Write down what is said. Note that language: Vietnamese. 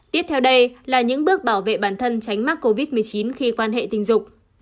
tiếp theo đây là những bước bảo vệ bản thân tránh mắc covid một mươi chín khi quan hệ tình dục